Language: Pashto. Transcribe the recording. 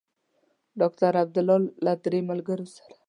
ډاکټر عبدالله له درې ملګرو سره.